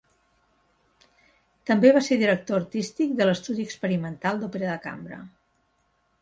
També va ser director artístic de l'Estudi experimental d'òpera de cambra.